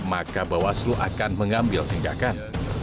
maka bawaslu akan mengambil tindakan